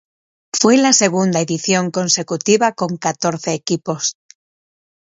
Fue la segunda edición consecutiva con catorce equipos.